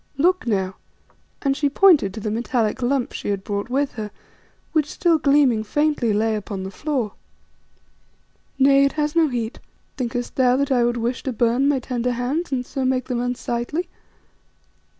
Look now;" and she pointed to the metallic lump she had brought with her, which, still gleaming faintly, lay upon the floor. "Nay, it has no heat. Thinkest thou that I would wish to burn my tender hands and so make them unsightly?